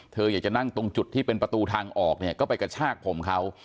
เธออยากจะนั่งตรงจุดที่เป็นประตูทางออกเนี่ยก็ไปกระชากผมเขา